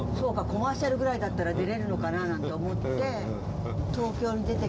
コマーシャルぐらいだったら出れるのかななんて思って東京に出てきて。